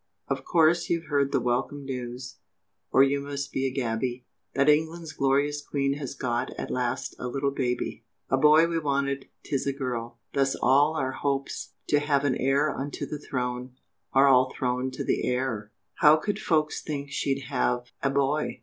Of course you've heard the welcome news, Or you must be a gaby, That England's glorious Queen has got At last a little baby? A boy we wanted 'tis a girl! Thus all our our hopes that were To have an heir unto the Throne, Are all thrown to the air! How could folks think she'd have a boy?